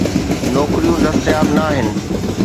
نوڪريون دستياب ناهن.